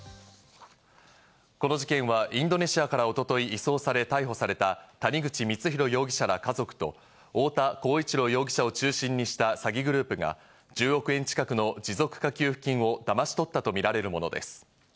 この事件は、インドネシアから一昨日、移送され逮捕された谷口光弘容疑者ら家族と、太田浩一朗容疑者を中心にした詐欺グループが１０億円近くの持続化給付金をだまし取ったとみられるものです。